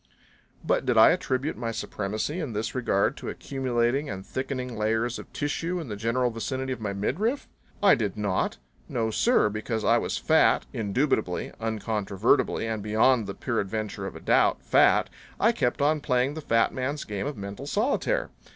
But did I attribute my supremacy in this regard to accumulating and thickening layers of tissue in the general vicinity of my midriff? I did not! No, sir, because I was fat indubitably, uncontrovertibly and beyond the peradventure of a doubt, fat I kept on playing the fat man's game of mental solitaire.